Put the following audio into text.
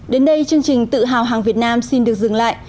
đến đây chương trình tự hào hàng việt nam xin được dừng lại